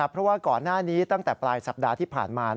เพราะว่าก่อนหน้านี้ตั้งแต่ปลายสัปดาห์ที่ผ่านมา